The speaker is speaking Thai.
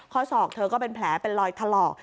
ข้อสองเธอก็เป็นแผลเป็นลอยทะลอก